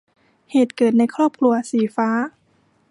เหตุเกิดในครอบครัว - สีฟ้า